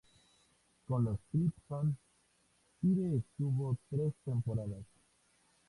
Con los Crimson Tide estuvo tres temporadas.